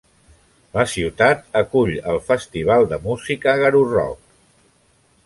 La ciutat acull el festival de música Garorock.